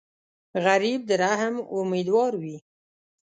غریب د رحم امیدوار وي